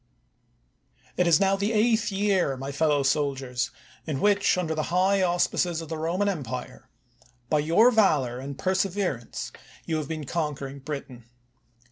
It is now the eighth year, my fellow soldiers, in which, under the high auspices of the Roman em pire, by your valor and perseverance you have been conquering Britain.